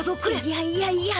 いやいやいや